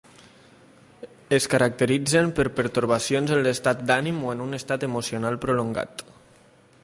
Es caracteritzen per pertorbacions en l'estat d'ànim o un estat emocional prolongat.